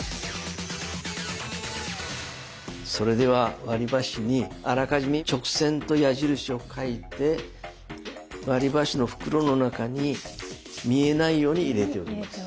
それでは割りばしにあらかじめ直線と矢印を書いて割りばしの袋の中に見えないように入れておきます。